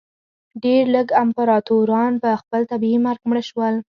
ډېر لږ امپراتوران په خپل طبیعي مرګ مړه شول.